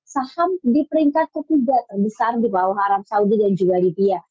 saham di peringkat ketiga terbesar di bawah arab saudi dan juga libya